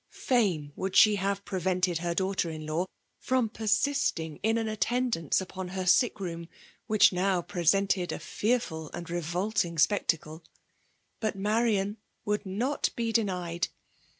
Fain would she have prevented her daughter in law, from persisting in an attendance upon her sick room, which now presented a fearful and revolting spectacle. But Marian would not be denied.